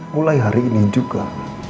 mulai hari ini juga